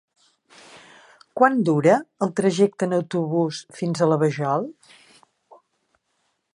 Quant dura el trajecte en autobús fins a la Vajol?